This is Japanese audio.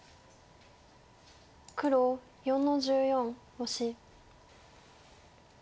黒４の十四オシ。